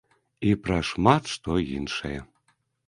І пра шмат што іншае!